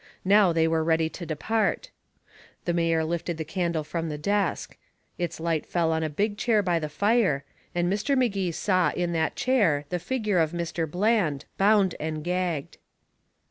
Now they were ready to depart. The mayor lifted the candle from the desk. Its light fell on a big chair by the fire, and Mr. Magee saw in that chair the figure of Mr. Bland, bound and gagged.